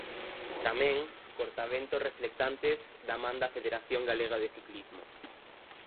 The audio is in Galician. Tamén, cortaventos reflectantes, da man da Federación Galega de Ciclismo.